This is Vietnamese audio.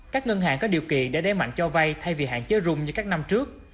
các ngân hàng có điều kỳ để đe mạnh cho vay thay vì hạn chế rung như các năm trước